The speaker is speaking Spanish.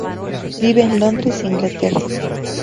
Vive en Londres, Inglaterra.